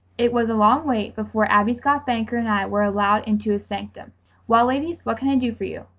It was a long wait before Abby Scott Baker and I were allowed into his sanctum. "Well, ladies, what can I do for you?"